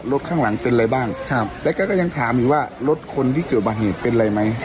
ข้างหลังเป็นอะไรบ้างครับแล้วก็ก็ยังถามอีกว่ารถคนที่เกิดมาเหตุเป็นอะไรไหม